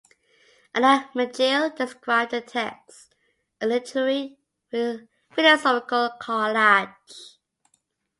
Allan Megill described the text as a literary-philosophical collage.